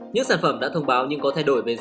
những sản phẩm đã thông báo nhưng có thay đổi